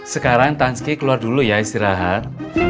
sekarang tanski keluar dulu ya istirahat